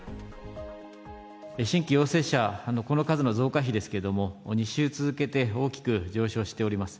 新規陽性者のこの数の増加比ですけれども、２週続けて大きく上昇しております。